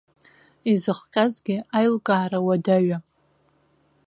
Изыхҟьазгьы аилкаара уадаҩам.